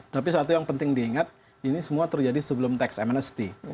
tapi satu yang penting diingat ini semua terjadi sebelum tax amnesty